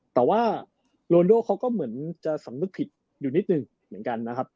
แต่ว่าโรนโดเขาก็เหมือนจะสำนึกผิดอยู่นิดหนึ่งเหมือนกันนะครับ